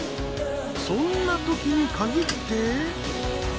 そんな時に限って。